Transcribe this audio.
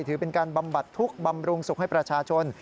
ถือเป็นการบำบัดทุกข์บำรุงสุขให้ประชาชน